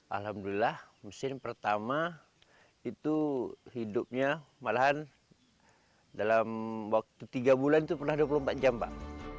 alhamdulillah mesin pertama itu hidupnya malahan dalam waktu tiga bulan itu pernah dua puluh empat jam pak